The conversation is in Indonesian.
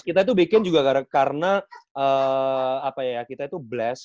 kita itu bikin juga karena apa ya kita itu bless